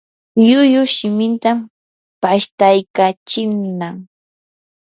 lllullu shimintan pashtaykachinnam.